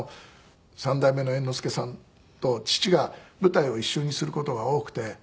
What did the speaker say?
三代目の猿之助さんと父が舞台を一緒にする事が多くて。